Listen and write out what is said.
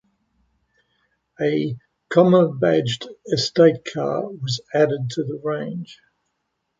A Commer-badged estate car was added to the range.